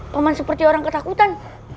paman seperti orang ketakutan